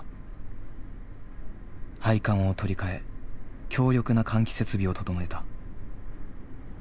配管を取り替え強力な換気設備を整えた。